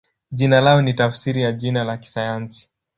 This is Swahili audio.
Jina lao ni tafsiri ya jina la kisayansi.